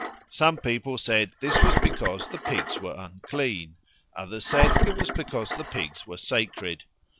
Some people said this was because the pigs were unclean; others said it was because the pigs were sacred.